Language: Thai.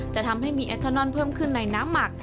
จะทำให้มีแอคทอนอนเพิ่มขึ้นในน้ำหมัก